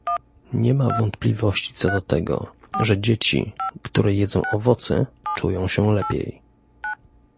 Nie ma wątpliwości co do tego, że dzieci, które jedzą owoce czują się lepiej